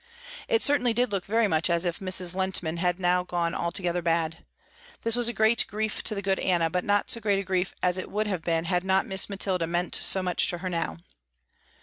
It certainly did look very much as if Mrs. Lehntman had now gone altogether bad. This was a great grief to the good Anna, but not so great a grief as it would have been had not Miss Mathilda meant so much to her now.